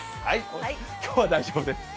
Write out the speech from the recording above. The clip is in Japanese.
今日は大丈夫です。